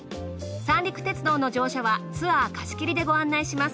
三陸鉄道の乗車はツアー貸し切りでご案内します。